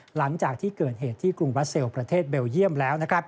หลังจากที่เกิดเหตุที่กรุงบราเซลประเทศเบลเยี่ยมแล้ว